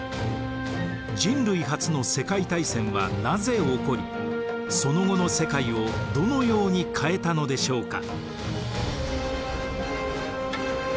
人類初の世界大戦はなぜ起こりその後の世界をどのように変えたのでしょうか？